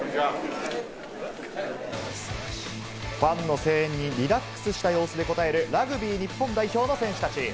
ファンの声援にリラックスした様子で応えるラグビー日本代表の選手たち。